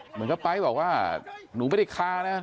เหมือนกับไป๊บอกว่าหนูไม่ได้คานะ